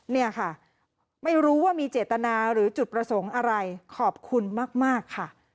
เนี่ยค่ะไม่รู้ว่ามีเจตนาหรือจุดประสงค์อะไรขอบคุณมากค่ะ